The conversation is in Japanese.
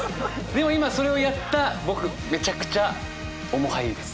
でも今それをやった僕めちゃくちゃ面映いです。